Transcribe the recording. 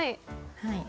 はい。